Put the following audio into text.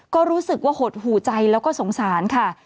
ก็รู้สึกว่าหดหูใจแล้วก็สงสารค่ะ